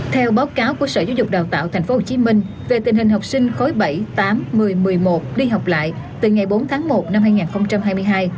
theo báo cáo của sở giáo dục đào tạo tp hcm về tình hình học sinh khối bảy tám một mươi một mươi một đi học lại từ ngày bốn tháng một năm hai nghìn hai mươi hai